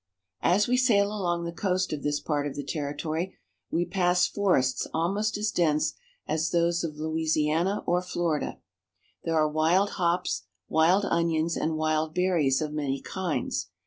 ' THE NATIVES. 30I As we sail along the coast of this part of the territory, we pass forests almost as dense as those of Louisiana or Florida. There are wild hops, wild onions, and wild ber ries of many kinds.